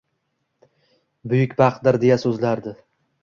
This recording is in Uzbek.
Buyuk baxtdir, deya soʻzlardi.